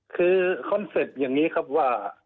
คือคอนเซ็ปต์อย่างนี้ครับว่า